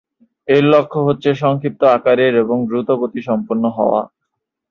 এর লক্ষ্য হচ্ছে সংক্ষিপ্ত আকারের এবং দ্রুতগতিসম্পন্ন হওয়া।